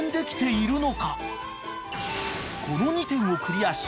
［この２点をクリアし］